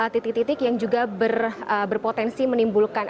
titik titik yang juga berpotensi menimbulkan